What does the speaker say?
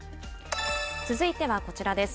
続いてはこちらです。